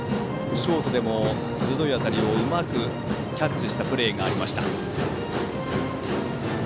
ショートでも鋭い当たりをうまくキャッチしたプレーがありました。